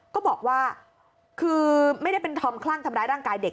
ก็บอกว่าคือไม่ได้เป็นธอมคลั่งทำร้ายร่างกายเด็ก